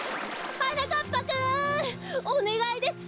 はなかっぱくんおねがいです！